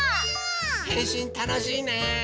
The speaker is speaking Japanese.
へんしんたのしいね！